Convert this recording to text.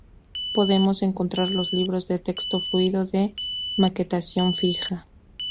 Podemos encontrar los libros de texto fluido y de maquetación fija.